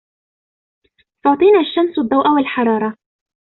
تعطينا الشمسُ الضوءَ والحرارةَ.